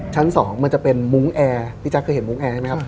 ชั้น๒มันจะเป็นมุ้งแอร์พี่แจ๊คเคยเห็นมุ้งแอร์ไหมครับ